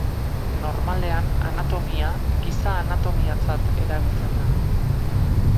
Normalean anatomia, giza-anatomiatzat erabiltzen da.